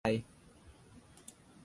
ดุไรอ่ะ